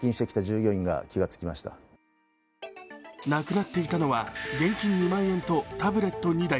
なくなっていたのは、現金２万円とタブレット２台。